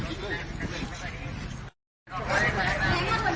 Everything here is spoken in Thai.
เมื่อ